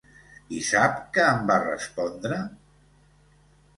I sap què em va respondre?